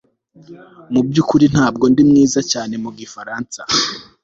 Mubyukuri ntabwo ndi mwiza cyane mu gifaransa